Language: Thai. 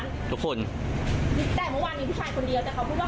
เพื่อไม่ให้เปิดเข้าได้แต่หน้าร้านหนูไม่สามารถปิดได้